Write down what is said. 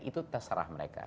itu terserah mereka